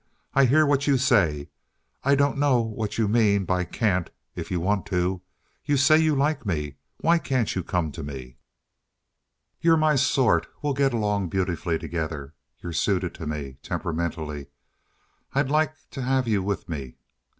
"I hear what you say. I don't know what you mean by 'can't' if you want to. You say you like me. Why can't you come to me? You're my sort. We will get along beautifully together. You're suited to me temperamentally. I'd like to have you with me.